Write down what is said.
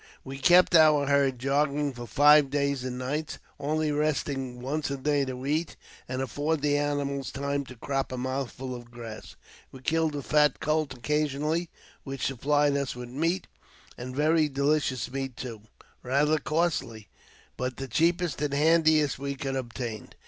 We kept our herd jogging for five days and 392 AUTOBIOGBAPHY OF nights, only resting once a day to eat, and afford the animals time to crop a mouthful of grass. We killed a fat colt occasionally, which supplied us with meat, and very delicious meat too — rather costly, but the cheapest and handiest we could obtain.